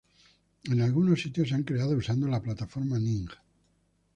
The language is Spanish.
Algunos sitios se han creado usando la plataforma Ning.